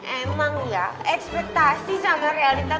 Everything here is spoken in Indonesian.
emang ya ekspetasi sangat realitasi